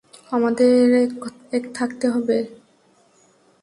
আমাদের এক থাকতে হবে।